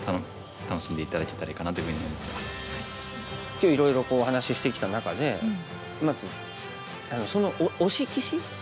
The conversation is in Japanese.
今日いろいろお話ししてきた中でまず推し棋士。